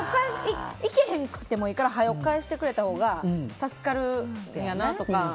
行けへんくてもいいからはよ返してくれたほうが助かるんやなとか。